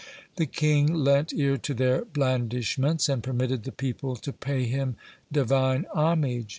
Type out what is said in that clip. The king lent ear to their blandishments, and permitted the people to pay him Divine homage.